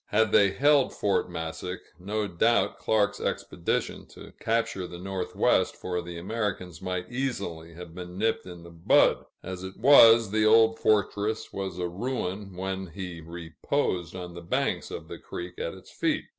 Had they held Fort Massac, no doubt Clark's expedition to capture the Northwest for the Americans might easily have been nipped in the bud; as it was, the old fortress was a ruin when he "reposed" on the banks of the creek at its feet.